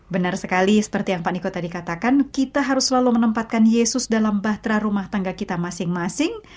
benar sekali seperti yang pak niko tadi katakan kita harus selalu menempatkan yesus dalam bahtera rumah tangga kita masing masing